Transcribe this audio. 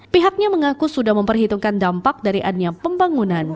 pihaknya mengaku sudah memperhitungkan dampak dari adanya pembangunan